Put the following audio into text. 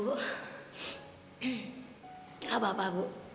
gak apa apa bu